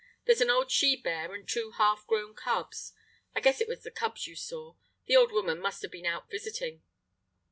There's an old she bear and two half grown cubs. I guess it was the cubs you saw. The old woman must have been out visiting."